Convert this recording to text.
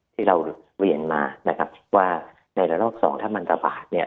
ที่เราเรียนมานะครับว่าในระลอกสองถ้ามันระบาดเนี่ย